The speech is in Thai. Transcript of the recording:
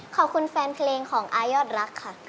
ขอบคุณแฟนเพลงของอายอดรักค่ะ